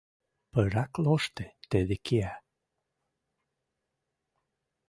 Пырак лошты тӹдӹ киӓ